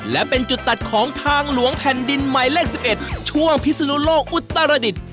และเป็นจุดตัดของทางหลวงแผ่นดินหมายเลข๑๑ช่วงพิศนุโลกอุตรดิษฐ์